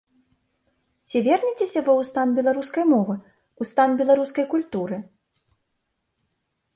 Ці вернецеся вы ў стан беларускай мовы і ў стан беларускай культуры?